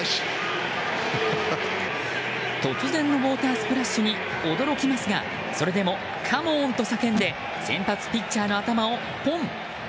突然のウォータースプラッシュに驚きますがそれでもカモーンと叫んで先発ピッチャーの頭をポン。